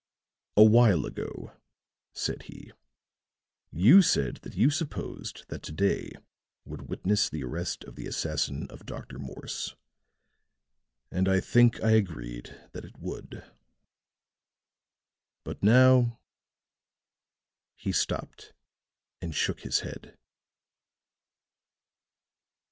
"A while ago," said he, "you said that you supposed that to day would witness the arrest of the assassin of Dr. Morse; and I think I agreed that it would. But now " he stopped and shook his head.